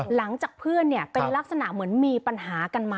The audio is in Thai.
หลังจากเพื่อนเป็นลักษณะเหมือนมีปัญหากันมา